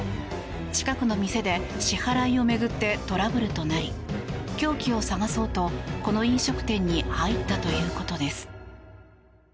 近くの店で支払いを巡ってトラブルとなり凶器を探そうと、この飲食店に入ったということです。